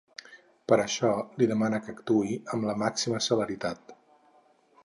Per això li demana que actuï amb la ‘màxima celeritat’.